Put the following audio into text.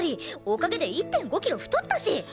おかげで１．５キロ太ったし！